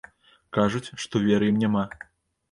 Кажуць, што веры ім няма.